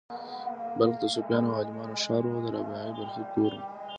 بلخ د صوفیانو او عالمانو ښار و او د رابعې بلخۍ کور و